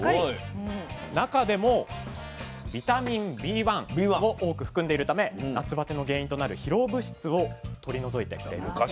中でもビタミンＢを多く含んでいるため夏バテの原因となる疲労物質を取り除いてくれるんです。